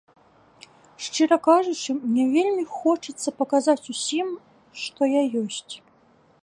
Шчыра кажучы, мне вельмі хочацца паказаць усім, што я ёсць.